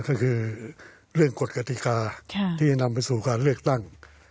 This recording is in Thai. ก็คือเรื่องกฎกติกาที่จะนำไปสู่การเลือกตั้ง